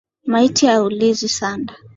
Maiti haulizwi sanda